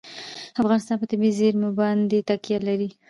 افغانستان په طبیعي زیرمې باندې تکیه لري.